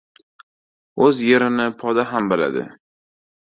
• O‘z yerini poda ham biladi.